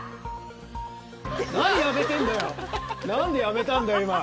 何やめてんだよ何でやめたんだ今。